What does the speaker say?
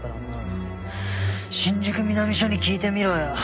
新宿南署に聞いてみろよ。